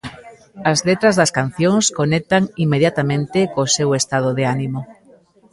As letras das cancións conectan inmediatamente co seu estado de ánimo.